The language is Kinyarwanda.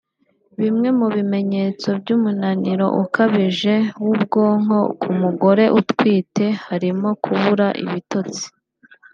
Bimwe mu bimenyetso by’umunaniro ukabije w’ubwonko ku mugore utwite harimo kubura ibitosti